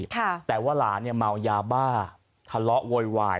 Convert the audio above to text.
แต่ว่าหลานเนี่ยเมายาบ้าทะเลาะโวยวาย